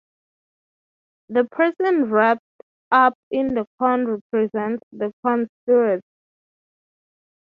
The person wrapped up in the corn represents the corn-spirit.